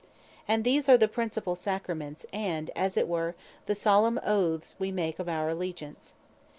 And these are the principall Sacraments, and as it were the solemne oathes we make of our Alleageance.